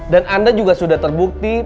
dan anda juga sudah terbukti